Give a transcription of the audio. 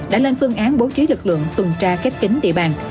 đã lên phương án bố trí lực lượng tuần tra khép kính địa bàn